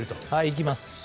行きます。